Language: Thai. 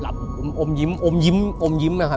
อมอมยิ้มอมยิ้มอมยิ้มนะครับ